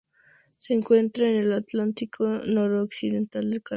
Se encuentra en el Atlántico noroccidental: el Canadá.